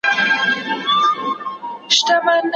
کرکټ په افغانستان کي ډېره مشهوره لوبه ده.